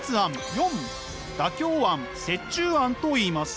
④！妥協案・折衷案といいます。